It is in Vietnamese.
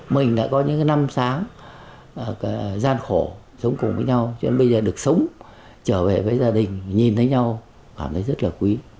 mình đã có những năm sáng gian khổ sống cùng với nhau cho nên bây giờ được sống trở về với gia đình nhìn thấy nhau cảm thấy rất là quý